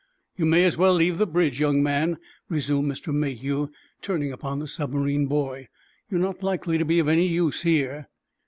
"You may as well leave the bridge, young man," resumed Mr. Mayhew, turning upon the submarine boy. "You are not likely to be of any use here."